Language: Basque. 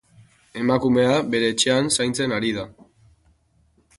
Emakumea bere etxean zaintzen ari dira.